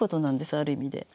ある意味で。